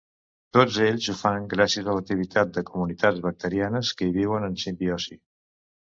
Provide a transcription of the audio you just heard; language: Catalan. Tots ells ho fan gràcies a l'activitat de comunitats bacterianes que hi viuen en simbiosi.